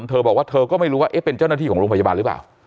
เธอบอกว่าเธอก็ไม่รู้ว่าเป็นเจ้าหน้าที่ของโรงพยาบาลหรือเปล่า